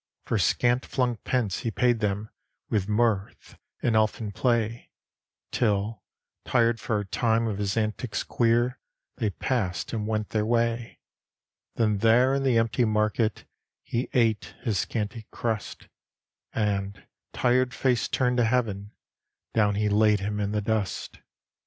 For scant flung pence he paid them With mirth and elfin play, Till, tired for a time of his antics queer, They passed and went their way; Then there in the empty market He ate his scanty crust, And, tired face turned to heaven, down He laid him in the dust.